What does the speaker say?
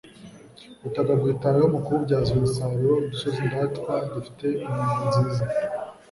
ubutaka bwitaweho mu kububyaza umusaruro ; udusozi ndatwa dufite intego nziza